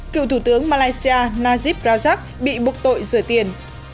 cựu thủ tướng malaysia najib rajak bị buộc tội rửa tiền